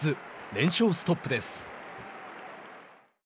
連勝ストップです。